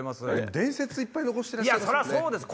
伝説いっぱい残してらっしゃいますもんね。